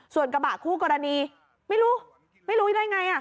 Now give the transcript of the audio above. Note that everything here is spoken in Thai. ส่วนกระบะคู่กรณีไม่รู้ไม่รู้ได้ไง